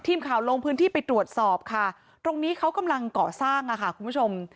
ทีมข่าวลงพื้นที่ไปตรวจสอบค่ะตรงนี้เขากำลังก่อสร้างอะค่ะคุณผู้ชม